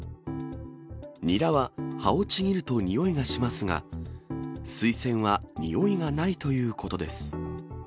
ニラは葉をちぎるとにおいがしますが、スイセンはにおいがないということです。